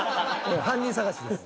犯人捜しです。